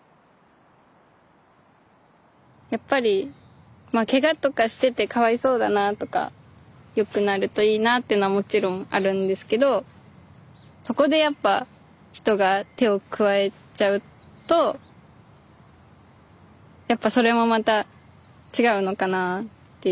やっぱり「けがとかしててかわいそうだな」とか「良くなるといいな」っていうのはもちろんあるんですけどそこでやっぱ人が手を加えちゃうとやっぱそれもまた違うのかなぁっていう感じで。